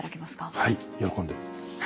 はい喜んで。